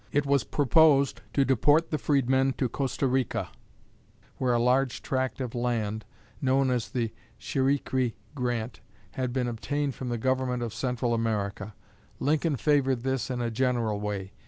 It was proposed to deport the freedmen to Costa Rica, where a large tract of land (known as the Chiriqui Grant) had been obtained from the government of Central America. Lincoln favored this in a general way.